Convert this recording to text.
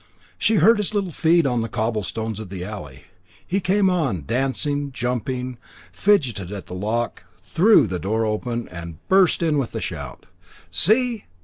She heard his little feet on the cobblestones of the alley: he came on, dancing, jumping, fidgeted at the lock, threw the door open and burst in with a shout "See!